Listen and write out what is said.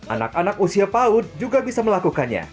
anak anak usia paut juga bisa melakukannya